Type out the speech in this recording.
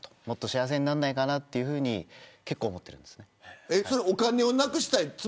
もっと幸せになんないかなっていうふうに結構それ、お金をなくしたい。